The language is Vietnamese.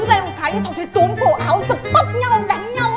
lên một cái thì cháu thấy tốn cổ áo giật tóc nhau đánh nhau